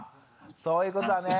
そういうことだね。